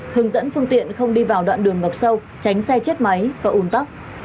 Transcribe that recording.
hướng dẫn phương tiện không đi vào đoạn đường ngập sâu tránh xe chết máy và ủn tắc